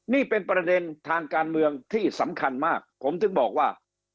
นี่เป็นประเด็นทางการเมืองที่สำคัญมากผมถึงบอกว่า